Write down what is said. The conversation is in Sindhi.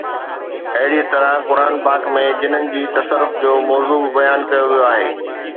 اهڙيءَ طرح قرآن پاڪ ۾ جنن جي تصرف جو موضوع به بيان ڪيو ويو آهي